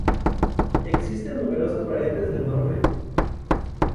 Existen numerosas variantes del nombre.